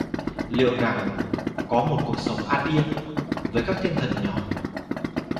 Liệu rằng có một cuộc sống an Yên với các thiên thần nhỏ